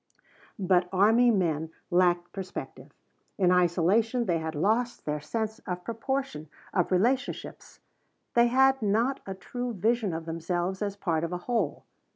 But army men lacked perspective; in isolation they had lost their sense of proportion, of relationships. They had not a true vision of themselves as part of a whole.